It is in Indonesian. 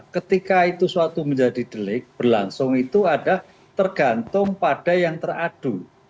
ketika itu suatu menjadi delik berlangsung itu ada tergantung pada yang teradu